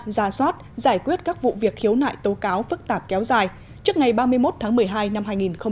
ra soát giải quyết các vụ việc khiếu nại tố cáo phức tạp kéo dài trước ngày ba mươi một tháng một mươi hai năm hai nghìn hai mươi